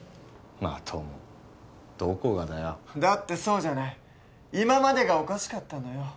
どこがだよだってそうじゃない今までがおかしかったのよ